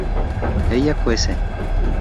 ella cuece